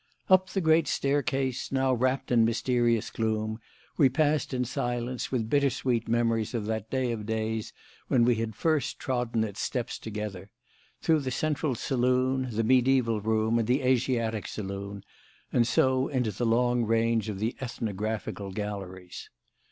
Up the great staircase, now wrapped in mysterious gloom, we passed in silence with bitter sweet memories of that day of days when we had first trodden its steps together: through the Central Saloon, the Mediaeval Room and the Asiatic Saloon, and so into the long range of the Ethnographical Galleries.